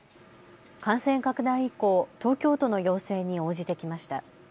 感染拡大以降、東京都の要請に応じてきました。